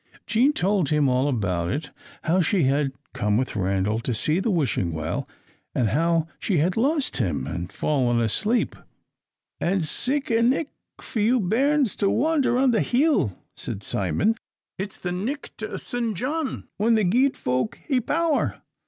Jean told him all about it: how she had come with Randal to see the Wishing Well, and how she had lost him, and fallen asleep. "And sic a nicht for you bairns to wander on the hill," said Simon. "It's the nicht o' St. John, when the guid folk hae power.